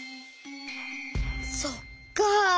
そっか。